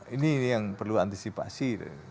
ini yang perlu antisipasi